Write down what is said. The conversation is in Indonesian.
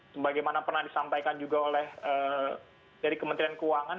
sebagaimana pernah disampaikan juga oleh dari kementerian keuangan